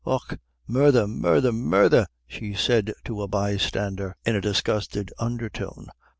"Och, murdher, murdher, murdher," she said to the bystanders, in a disgusted undertone.